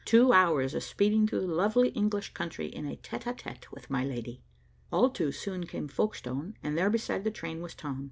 Two hours of speeding through the lovely English country in a tête à tête with my lady. All too soon came Folkestone, and there beside the train was Tom.